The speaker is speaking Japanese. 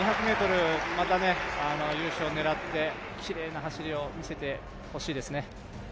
２００ｍ、また優勝狙って、きれいな走りを見せてほしいですね。